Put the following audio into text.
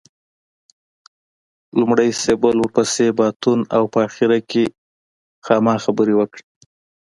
لومړی سېبل ورپسې باتون او په اخر کې خاما خبرې وکړې.